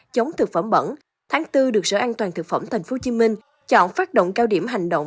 chống thực phẩm bẩn tháng bốn được sở an toàn thực phẩm tp hcm chọn phát động cao điểm hành động